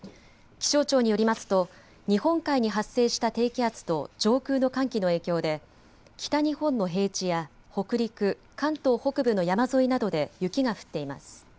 気象庁によりますと日本海に発生した低気圧と上空の寒気の影響で北日本の平地や北陸、関東北部の山沿いなどで雪が降っています。